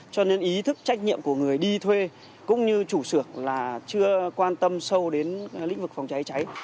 cho nên ý thức trách nhiệm của người đi thuê cũng như chủ sược là chưa quan tâm sâu đến lĩnh vực phòng cháy cháy